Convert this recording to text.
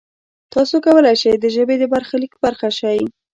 تاسو کولای شئ د ژبې د برخلیک برخه شئ.